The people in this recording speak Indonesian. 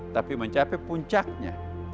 tapi mencapai puncaknya